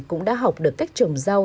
cũng đã học được cách trồng rau